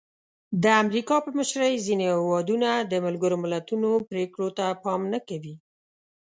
د امریکا په مشرۍ ځینې هېوادونه د ملګرو ملتونو پرېکړو ته پام نه کوي.